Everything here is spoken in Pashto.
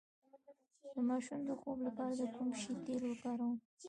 د ماشوم د خوب لپاره د کوم شي تېل وکاروم؟